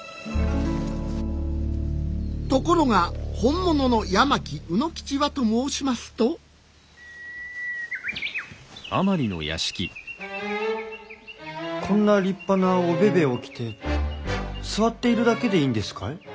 ところが本物の八巻卯之吉はと申しますとこんな立派なおべべを着て座っているだけでいいんですかい？